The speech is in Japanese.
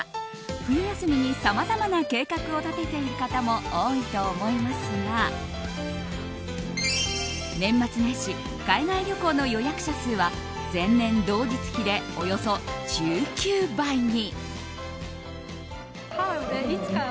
冬休みにさまざまな計画を立てている方も多いと思いますが年末年始、海外旅行の予約者数は前年同日比でおよそ１９倍に！